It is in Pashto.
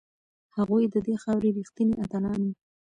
هغوی د دې خاورې ریښتیني اتلان وو.